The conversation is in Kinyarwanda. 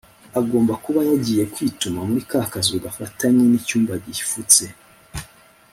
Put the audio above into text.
agomba kuba yagiye kwituma muri ka kazu gafatanye n'icyumba gifutse